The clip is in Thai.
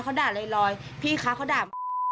เขาด่าลอยพี่คะเขาด่ามา